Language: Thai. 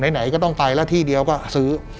ไหนก็ต้องไปแล้วที่เดียวก็ซื้อ